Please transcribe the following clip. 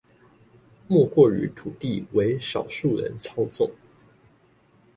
莫過於土地為少數人操縱